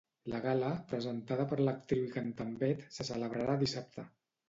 La gala, presentada per l'actriu i cantant Beth, se celebrarà dissabte.